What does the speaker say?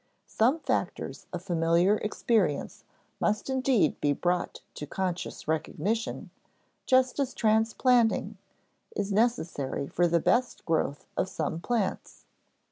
Some factors of familiar experience must indeed be brought to conscious recognition, just as transplanting is necessary for the best growth of some plants.